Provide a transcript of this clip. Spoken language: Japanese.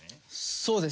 そうです。